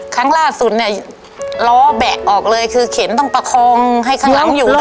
ครั้งล่าสุดเนี่ยล้อแบะออกเลยคือเข็นต้องประคองให้ข้างหลังอยู่